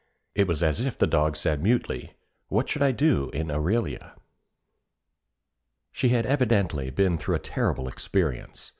It was as if the dog said mutely, 'What should I do in Illyria?' She had evidently been through a terrible experience.